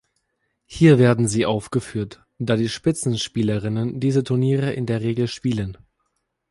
Hier werden sie aufgeführt, da die Spitzenspielerinnen diese Turniere in der Regel spielen.